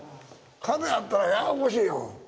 壁あったらややこしいよ。